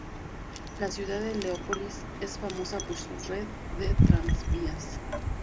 La ciudad de Leópolis es famosa por su red de tranvías.